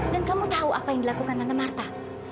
dan kamu tahu apa yang dilakukan tante marta